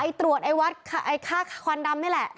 ตรวจไอ้วัดไอ้ค่าควันดำนี่แหละ